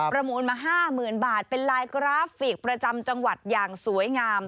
ประมูลมา๕๐๐๐บาทเป็นลายกราฟิกประจำจังหวัดอย่างสวยงาม